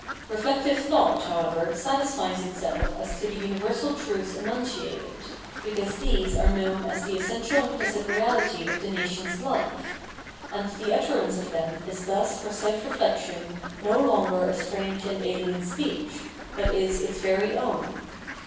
Eeflective thought, however, satisfies itself as to the universal truths enunciated, because these are known as the essential implicit reality of the nation^s life ; 724 PJienommology of Mind aad the utterance of them is thus for such reflection no longer a strange and ahen speech, but is its very own.